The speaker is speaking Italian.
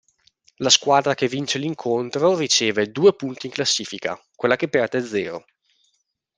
La squadra che vince l'incontro riceve due punti in classifica, quella che perde zero.